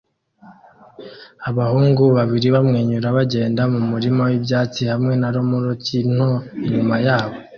Abahungu babiri bamwenyura bagenda mumurima wibyatsi hamwe na romoruki nto inyuma yabo